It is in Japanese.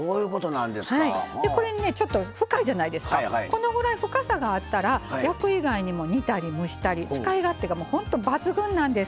このぐらい深さがあったら焼く以外にも煮たり蒸したり使い勝手がもうほんと抜群なんです。